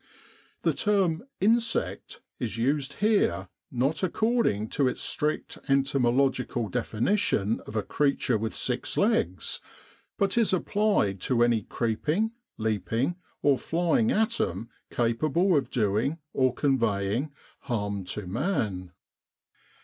The term " insect" is used here not accord ing to its strict entomological definition of a creature with six legs, but is applied to any creeping, leaping, or flying atom capable of doing, or conveying, harm to man.